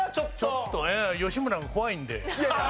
ちょっとね吉村が怖いんで。